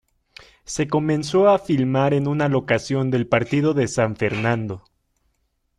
Se comenzó a filmar en una locación del partido de San Fernando.